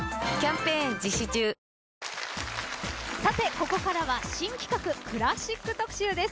ここからは新企画クラシック特集です。